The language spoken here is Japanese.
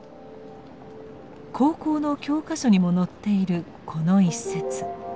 高校の教科書にも載っているこの一節。